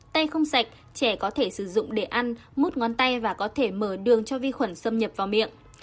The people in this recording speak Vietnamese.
tay không sạch trẻ có thể sử dụng để ăn mút ngón tay và có thể mở đường cho vi khuẩn xâm nhập vào miệng